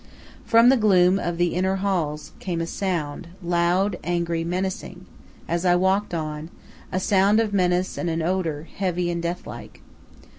From the gloom of the inner halls came a sound, loud, angry, menacing, as I walked on, a sound of menace and an odor, heavy and deathlike.